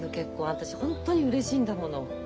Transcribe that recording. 私ホントにうれしいんだもの。